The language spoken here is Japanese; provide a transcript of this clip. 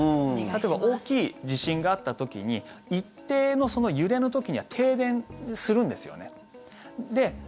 例えば大きい地震があった時に一定の揺れの時には停電するんですよね。